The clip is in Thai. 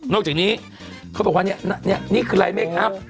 นอกจากนี้เขาบอกว่าเนี่ยเนี่ยนี่คืออะไรแม่ครับ